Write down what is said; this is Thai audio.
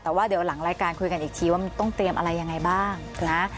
แต่ว่าเดี๋ยวหลังรายการคุยกันอีกทีว่ามันต้องเตรียมอะไรยังไงบ้างนะ